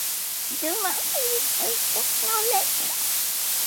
Dyma brif gryfder y dechnoleg.